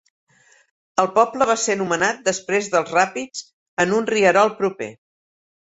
El poble va ser nomenat després dels ràpids en un rierol proper.